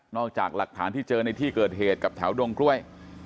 จากหลักฐานที่เจอในที่เกิดเหตุกับแถวดงกล้วย